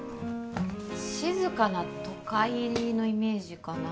静かな都会のイメージかな